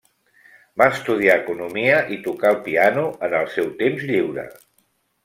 Va estudiar economia i toca el piano en el seu temps lliure.